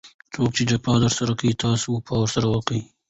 څوک چي جفا درسره کوي؛ تاسي وفا ورسره کوئ!